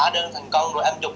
nếu không trúng